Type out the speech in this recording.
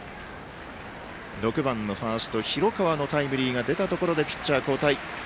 ６番のファースト、広川のタイムリーが出たところでピッチャー交代。